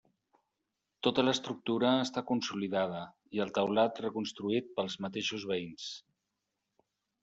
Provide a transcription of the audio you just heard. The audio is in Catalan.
Tota l'estructura està consolidada i el teulat reconstruït pels mateixos veïns.